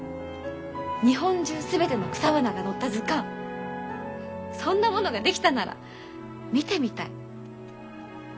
日本中全ての草花が載った図鑑そんなものが出来たなら見てみたい。